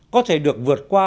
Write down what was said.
có thể được vượt qua